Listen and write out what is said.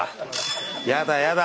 やだやだ